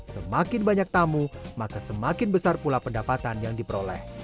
semakin banyak tamu maka semakin besar pula pendapatan yang diperoleh